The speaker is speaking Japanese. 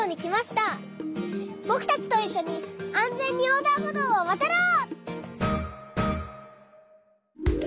ぼくたちといっしょにあんぜんにおうだんほどうをわたろう！